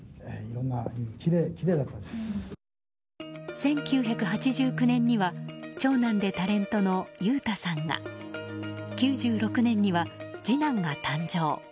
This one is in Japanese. １９８９年には長男でタレントの裕太さんが９６年には次男が誕生。